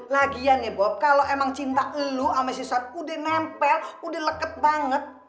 lagian ya bob kalau emang cinta lu sama sisat udah nempel udah leket banget